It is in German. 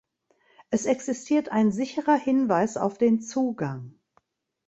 Es existiert ein sicherer Hinweis auf den Zugang.